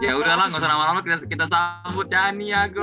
yaudah lah ga usah nama nama kita sambut cian yago